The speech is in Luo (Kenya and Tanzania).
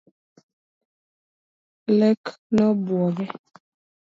Lek no obuoge